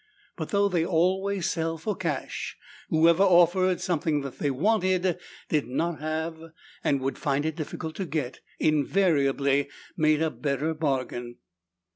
But though they'd always sell for cash, whoever offered something that they wanted, did not have and would find it difficult to get, invariably made a better bargain.